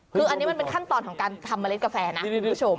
คืออันนี้มันเป็นขั้นตอนของการทำเมล็ดกาแฟนะคุณผู้ชม